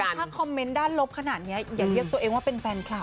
ถ้าคอมเมนต์ด้านลบขนาดนี้อย่าเรียกตัวเองว่าเป็นแฟนคลับ